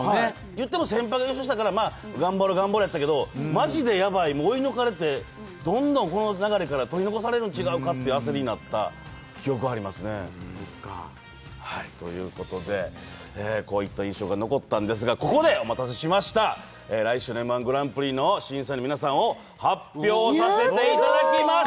いっても先輩が優勝したから、頑張ろう頑張ろうやったけど、マジでやばい、もう追い抜かれて、どんどん、この流れから取り残されるん違うかという焦りになった記憶がありますね。ということで、こういった印象が残ったんですが、ここで、お待たせしました、来週Ｍ−１グランプリの審査員の皆さんを発表させていただきます！